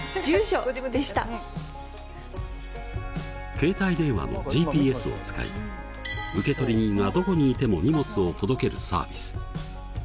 携帯電話のＧＰＳを使い受取人がどこにいても荷物を届けるサービス。